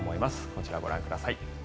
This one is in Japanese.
こちらをご覧ください。